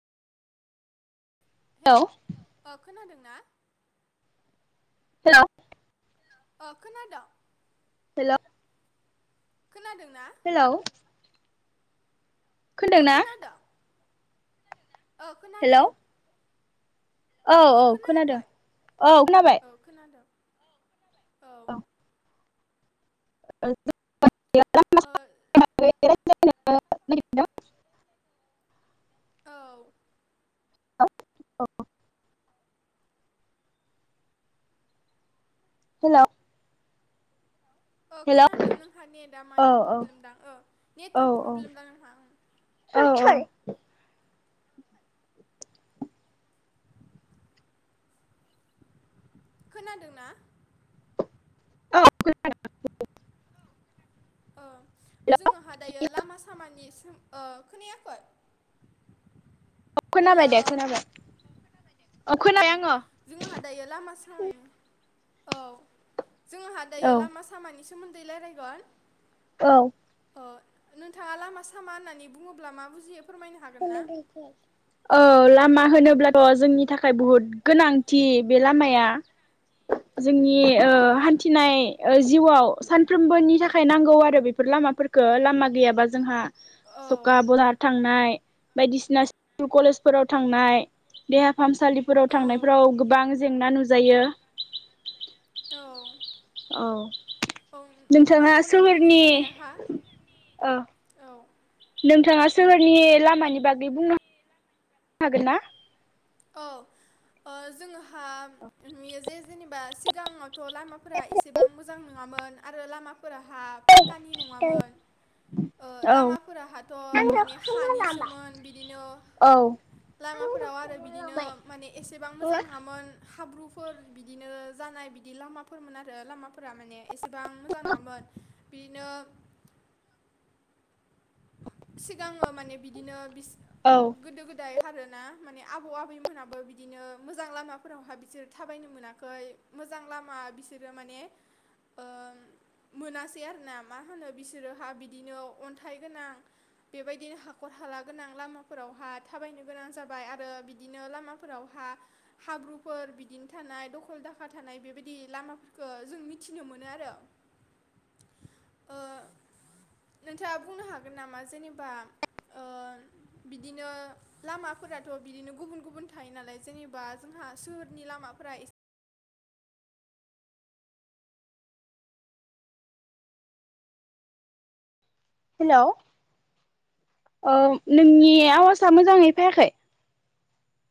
Hello खोनादों ना hello खोनादों। हेलौ खोनादों ना? हेलौ अ खोनादोंना खोनादों? ओ हेलौ खोनादों। औ ओ औ खोनादों खोनायाखै औ खोनाबाय। औ खोनादों औ ओ [unintelligible] [unintelligible] औ औ हेलौ हेलौ खोनादों नोंहा नेटआ औ माइ प्रब्लेम दां औ नेटवर्क औ प्रब्लेम दां नोंहा औ खोनादोंना? औ औ जोंहा दायो लामा सामानि खोनायाखै हेल खोनाबाय दे खोनाबाय औ खोनाबाय आङो जोंहा दायो लामा सामायाव औ जोंहा औ दायो लामा सामानि सोमोन्दै रायलायगोन। औ ओ नोंथाङा लामा सामा होननानै बुङोब्ला मा बुजियो? फोरमायनो हागोन ना? औ लामा होनोब्लाथ जोंनि थाखाय बुहुद गोनांथि बे लामाया जोंनि औ हान्थिनाय जिउआव सानफ्रोमबोनि थाखाय नांगौ आरो बेफोर लामाफोरखौ लामा गैयाबा जोंहा औ सखा बहार थांनाय बायदिसिना स्कुल कलेजफोराव थांनाय देहा फाहामसालिफोराव थांनायफोराव गोबां जेंना नुजायो। औ औ औ नोंथाङा नंगौ नोंथांनि सहोरनि बुंनाया हा औ औ नोंथाङा सोहोरनि लामानि बागै बुंनो हाग हागना? औ जोंहा नुयो जे जेनेबा सिगाङाव गथ लामाफोरा एसेबां मोजां मोनो नङामोन आरो लामा फोरहा पाक्कानि नङामोन औ लामाफोराहाथ माने ओ हानिसोमोन बिदिनो औ लामाफोराव आरो बि बिदिनो माने एसेबां मोजां नङामोन हाब्रुफोर बिदिनो जानाय बिदि लामाफोरमोन आरो लामाफोरा माने एसेबां मोजां नङामोन बिदिनो सिगाङो माने बिदिनो बि औ गोदो गोदाय हारोन ना आबौ आबै मोनाबो बिदिनो मोजां लामाफोरावहा बिसोर थाबायनो मोनाखै मोजां लामा बिसोरो माने ओ मोनासै आरोना माहोनो बिसोर हा बिदिनो अन्थाइ गोनां बेबायदिनो हाखर हाला गोनां लामाफोरावहा थाबायनो गोनां जाबाय आरो बिदिनो लामाफोरावहा हाब्रुफोर बिदिनो थानाय दखल दाखा थानाय बेबायदि लामाफोरखौ जों मिथिनो मोनो आरो ओ नोंथाङा [unintelligible] बुंनो हागोन नामा जेनेबा ओ बिदिनो लामाफोराथ' बिदिनो गुबुन गुबुन थायो नालाय जेनेबा जोंहा सोहोरनि लामाफोरा एसे हेलौ ओ नोंनि आवाजआ मोजाङै फैयाखै